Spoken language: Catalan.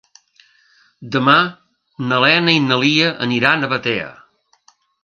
Demà na Lena i na Lia aniran a Batea.